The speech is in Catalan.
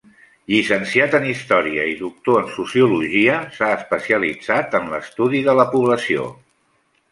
Llicenciat en història i doctor en sociologia, s'ha especialitzat en l'estudi de la població.